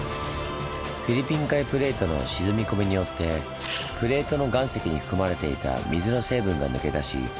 フィリピン海プレートの沈み込みによってプレートの岩石に含まれていた水の成分が抜け出し